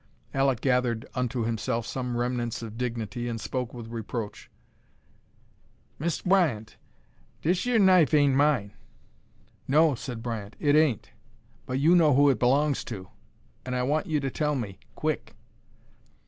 Alek gathered unto himself some remnants of dignity and spoke with reproach: "Mist' Bryant, dish yer knife ain' mine." "No," said Bryant, "it ain't. But you know who it belongs to, an' I want you to tell me quick."